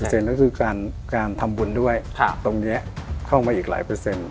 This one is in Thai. ก็คือการทำบุญด้วยตรงนี้เข้ามาอีกหลายเปอร์เซ็นต์